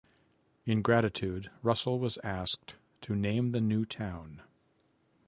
In gratitude, Russell was asked to name the new town.